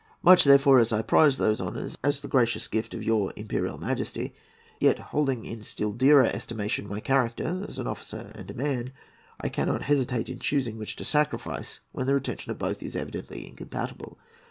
Much, therefore, as I prize those honours, as the gracious gift of your Imperial Majesty, yet, holding in still dearer estimation my character as an officer and a man, I cannot hesitate in choosing which to sacrifice when the retention of both is evidently incompatible.